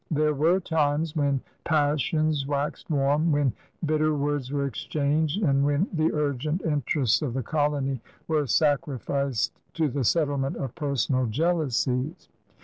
There were times when passions wased warm, when bitter words were exchanged, and when the urgent interests of the colony were sacrificed to the settlement of personal jealousies.